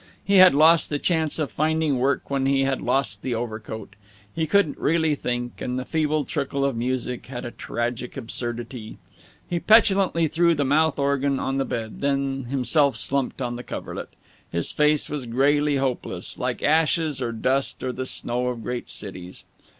He had lost the chance of finding work when he had lost the overcoat. He couldn't really think, and the feeble trickle of music had a tragic absurdity. He petulantly threw the mouth organ on the bed, then himself slumped on the coverlet. His face was grayly hopeless, like ashes or dust or the snow of great cities.